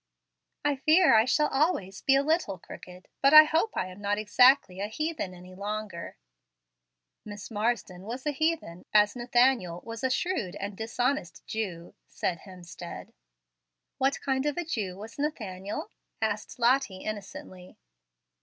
"I fear I shall always be a little crooked; but I hope I am not exactly a heathen any longer." "Miss Marsden was a heathen, as Nathanael was a shrewd and dishonest Jew," said Hemstead. "What kind of a Jew was Nathanael?" asked Lottie, innocently.